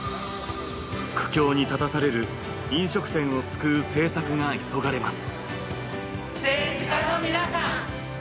苦境に立たされる飲食店を救う政策が急がれます。